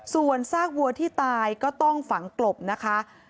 ส่วนซากวัวที่ตายก็ต้องฝังกลบนะคะ